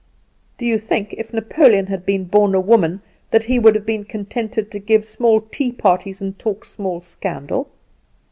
Do you think if Napoleon had been born a woman that he would have been contented to give small tea parties and talk small scandal?